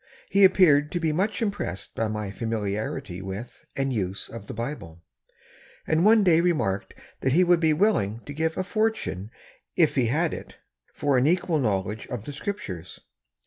He appeared to be much impressed by my familiarity with and use of the Bible, and one day remarked that he would be willing to give a fortune, if he had it, for an equal knowledge of the Scriptures.